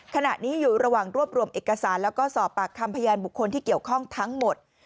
ขณะนี้อยู่ระหว่างรวบรวมเอกสารแล้วก็สอบปากคำพยานบุคคลที่เกี่ยวข้องทั้งหมด